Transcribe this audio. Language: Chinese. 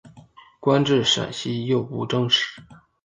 官至陕西右布政使。